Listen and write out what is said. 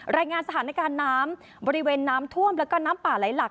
รายงานสถานการณ์น้ำบริเวณน้ำท่วมแล้วก็น้ำป่าไหลหลัก